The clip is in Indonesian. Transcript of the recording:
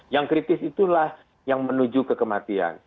yang kritis itulah yang menuju ke kematian